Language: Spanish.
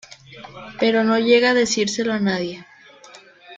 Pero no llega a decírselo a nadie.